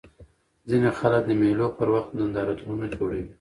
ځيني خلک د مېلو پر وخت نندارتونونه جوړوي.